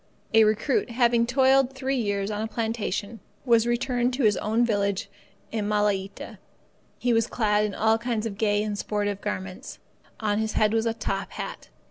A recruit, after having toiled three years on a plantation, was returned to his own village on Malaita. He was clad in all kinds of gay and sportive garments. On his head was a top hat.